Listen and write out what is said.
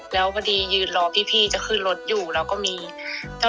แล้วก็พอดีอยู่รอพี่คือรถอยู่แล้วก็มีเจ้านกคลักดินมา